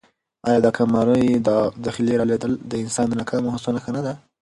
آیا د قمرۍ د خلي رالوېدل د انسان د ناکامو هڅو نښه نه ده؟